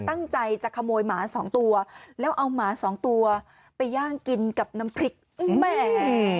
ตั้งใจจะขโมยหมาสองตัวแล้วเอาหมาสองตัวไปย่างกินกับน้ำพริกอืมแหม